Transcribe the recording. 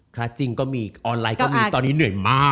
จริงก็มีออนไลน์ก็มีตอนนี้เหนื่อยมาก